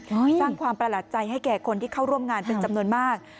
สร้างความประหลาดใจให้แก่คนที่เข้าร่วมงานเป็นจำนวนมาก